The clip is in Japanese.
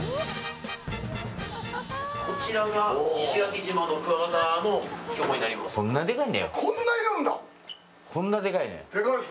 こちらが石垣島のクワガタの標本になります。